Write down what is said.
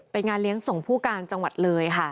เป็นงานเลี้ยงส่งผู้การจังหวัดเลยค่ะ